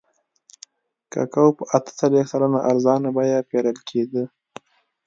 کوکو په اته څلوېښت سلنه ارزانه بیه پېرل کېده.